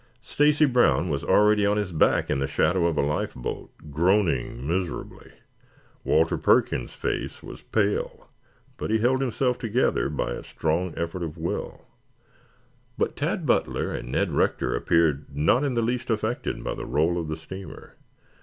Stacy Brown was already on his back in the shadow of a life boat, groaning miserably. Walter Perkins' face was pale, but he held himself together by a strong effort of will, but Tad Butler and Ned Rector appeared not in the least affected by the roll of the steamer.